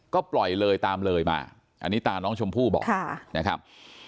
ก็ปล่อยเลยตามเลยมาอันนี้ตาน้องชมพู่บอกนะครับ